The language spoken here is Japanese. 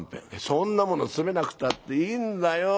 「そんなもの詰めなくたっていいんだよ。